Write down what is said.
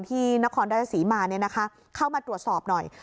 นครราชศรีมาเข้ามาตรวจสอบหน่อย